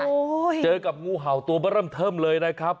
โอ้โหเจอกับงูเห่าตัวมาเริ่มเทิมเลยนะครับ